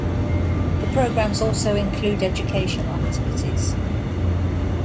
The programs also include educational activities.